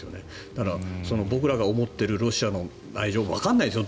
だから、僕らが思っているロシアの内情わからないですよ